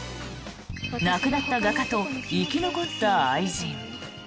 亡くなった画家と生き残った愛人。